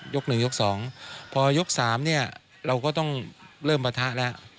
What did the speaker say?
ยกหนึ่งยกสองพอยกสามเนี่ยเราก็ต้องเริ่มปะทะแล้ว